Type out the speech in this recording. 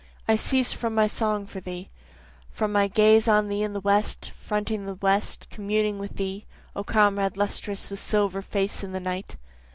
I cease from my song for thee, From my gaze on thee in the west, fronting the west, communing with thee, O comrade lustrous with silver face in the night.